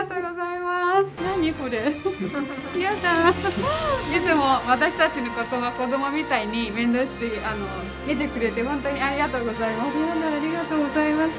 いつも私たちのことを子どもみたいに面倒を見てくれて本当にありがとうございます。